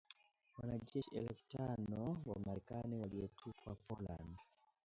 wanajeshi elfu tano wa Marekani waliotumwa Poland